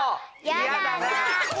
「嫌だな」。